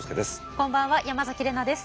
こんばんは山崎怜奈です。